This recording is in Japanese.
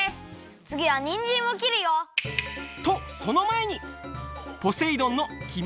つぎはにんじんをきるよ。とそのまえに！